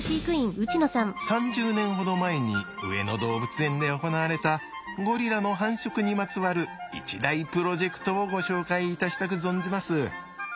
３０年ほど前に上野動物園で行われたゴリラの繁殖にまつわる一大プロジェクトをご紹介いたしたく存じます。